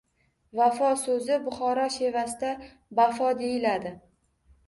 Vafo so’zi Buxoro shevasida “bafo” deyiladi.